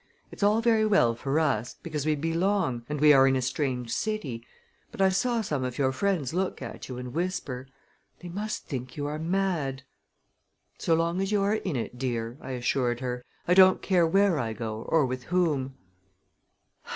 It's all very well for us, because we belong and we are in a strange city; but I saw some of your friends look at you and whisper. They must think you are mad!" "So long as you are in it, dear," I assured her, "I don't care where I go or with whom."